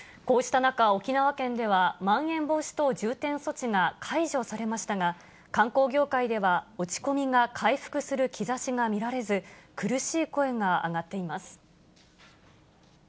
こうした中、沖縄県では、まん延防止等重点措置が解除されましたが、観光業界では落ち込みが回復する兆しが見られず、苦しい声が上がっています。